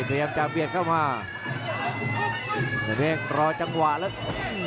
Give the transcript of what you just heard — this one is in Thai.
พร้อมจะเเบียดเข้ามาเราก็ได้รอจังหวะแล้ว